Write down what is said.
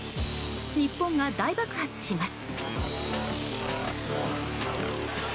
日本が大爆発します。